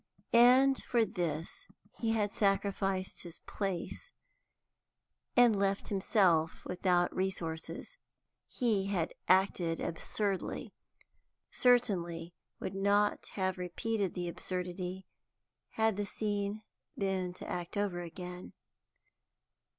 And for this he had sacrificed his place, and left himself without resources. He had acted absurdly; certainly would not have repeated the absurdity had the scene been to act over again.